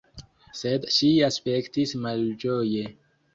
Sed ŝi aspektis malĝoje.